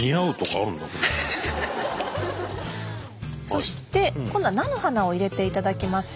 そして今度は菜の花を入れていただきます。